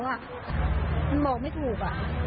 มันบอกไม่ถูก